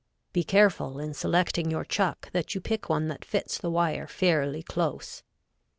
Be careful in selecting your chuck that you pick one that fits the wire fairly close.